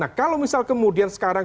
nah kalau misal kemudian sekarang